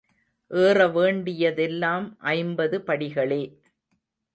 ஏற வேண்டியதெல்லாம் ஐம்பது படிகளே.